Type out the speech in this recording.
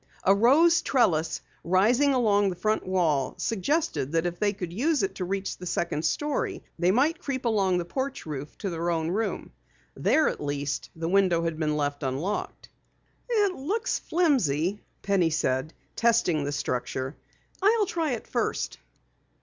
A rose trellis rising along the front wall suggested that if they could use it to reach the second story, they might creep along the porch roof to their own room. There at least, the window had been left unlocked. "It looks flimsy," Penny said, testing the structure. "I'll try it first."